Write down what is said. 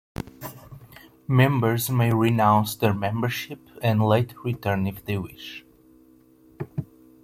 Members may renounce their membership and later return if they wish.